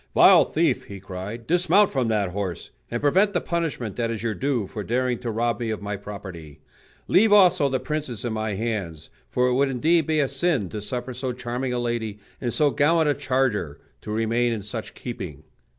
"Vile thief," he cried, "dismount from that horse, and prevent the punishment that is your due for daring to rob me of my property. Leave, also, the princess in my hands; for it would indeed be a sin to suffer so charming a lady and so gallant a charger to remain in such keeping."